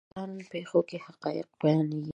په ځان پېښو کې حقایق بیانېږي.